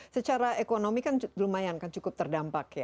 secara ekonomi kan lumayan cukup terdampak ya